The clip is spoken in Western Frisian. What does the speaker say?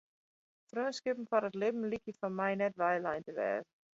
Freonskippen foar it libben lykje foar my net weilein te wêze.